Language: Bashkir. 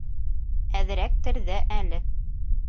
Әҙерәктер ҙә әле.